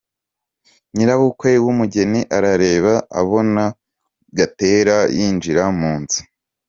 Nyirabukwe w’umugeni arareba, abona Gatera yinjira mu nzu.